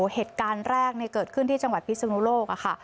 เหตุการณ์แรกเกิดขึ้นที่จังหวัดพิศนุโลกค่ะ